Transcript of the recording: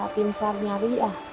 tim sar nyari